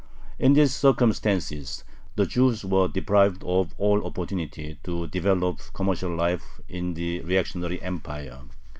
In these circumstances the Jews were deprived of all opportunity to develop commercial life in the reactionary Empire.